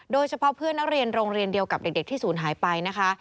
โดยเฉพาะเพื่อนนักเรียนโรงเรียนเดียวกับเด็กที่ศูนย์หายไปนะคะ